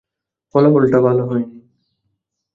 ফলাফলটা ভালো হয়নি।